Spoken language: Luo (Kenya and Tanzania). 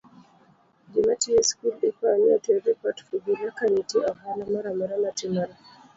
Jomatiyo e skul ikwayo ni oter ripot kobila ka nitie ohala moramora matimore.